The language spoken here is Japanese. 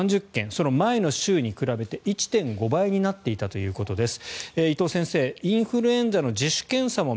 その前の週に比べて１．５倍になっていたということです。